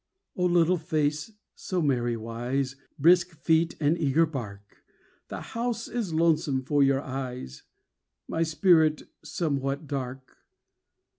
Oh, little face, so merry wise, Brisk feet and eager bark! The house is lonesome for your eyes, My spirit somewhat dark.